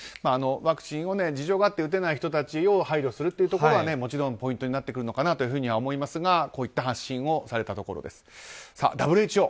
ワクチンを事情があって打てない人たちを排除するというところはもちろんポイントになってくるのかなとは思いますがこういった発信をされたところです。